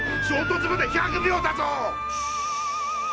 衝突まで１００秒だぞ！